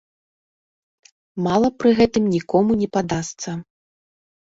Мала пры гэтым нікому не падасца.